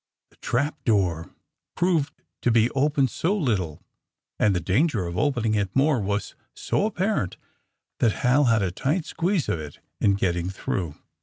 The trap door proved to be open so little, and the danger of opening it more was so apparent, that Hal had a tight squeeze of it in getting through.